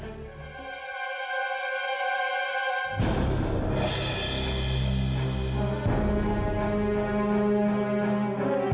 bukan kalau kamu nggak kerja